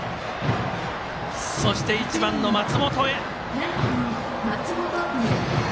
そして、１番の松本へ。